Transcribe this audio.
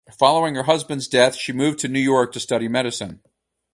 Following her husband's death she moved to New York to study medicine.